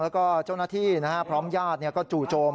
แล้วก็เจ้าหน้าที่พร้อมญาติก็จู่โจม